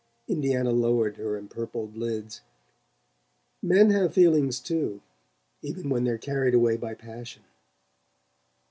Indiana lowered her empurpled lids. "Men have their feelings too even when they're carried away by passion."